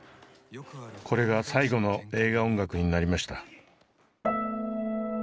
これが最後の映画音楽になりました。